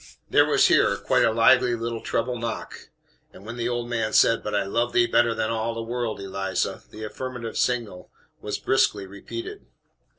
There was here quite a lively little treble knock; and when the old man said, "But I loved thee better than all the world, Eliza," the affirmative signal was briskly repeated.